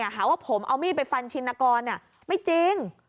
หาว่าผมเอามีดไปฟันชินกรไม่จริง